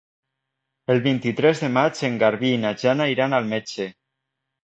El vint-i-tres de maig en Garbí i na Jana iran al metge.